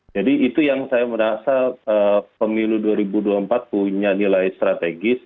jadi itu yang saya merasa pemilu dua ribu dua puluh empat punya nilai strategis